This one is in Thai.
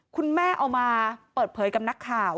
คุณแม่เอามาเปิดเผยกับนักข่าว